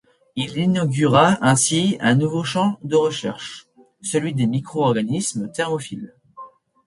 Il inaugura ainsi un nouveau champ de recherche, celui des micro-organismes thermophiles.